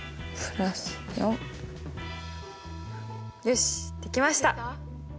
よしできました。